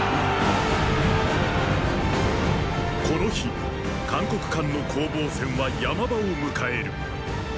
この日函谷関の攻防戦は山場を迎える。